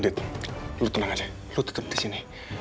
dit lu tenang aja lu tetep disini